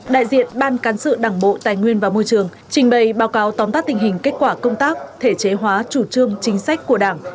đại diện ban cán sự đảng bộ tài nguyên và môi trường trình bày báo cáo tóm tắt tình hình kết quả công tác thể chế hóa chủ trương chính sách của đảng